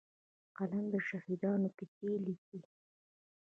قلم د شهیدانو کیسې لیکي